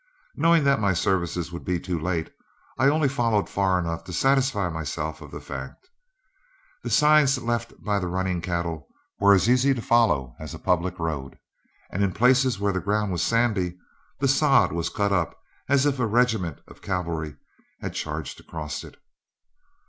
Knowing that my services would be too late, I only followed far enough to satisfy myself of the fact. The signs left by the running cattle were as easy to follow as a public road, and in places where the ground was sandy, the sod was cut up as if a regiment of cavalry had charged across it.